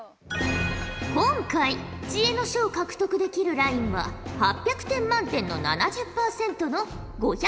今回知恵の書を獲得できるラインは８００点満点の７０％の５６０ほぉじゃ。